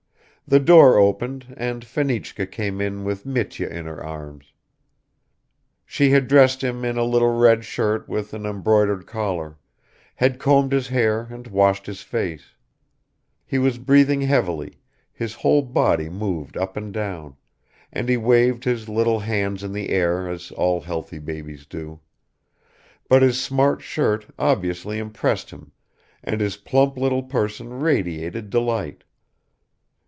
. The door opened and Fenichka came in with Mitya in her arms. She bad dressed him in a little red shirt with an embroidered collar, had combed his hair and washed his face; he was breathing heavily, his whole body moved up and down, and he waved his little hands in the air as all healthy babies do; but his smart shirt obviously impressed him and his plump little person radiated delight.